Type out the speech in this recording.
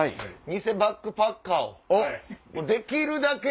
偽バックパッカーをもうできるだけ。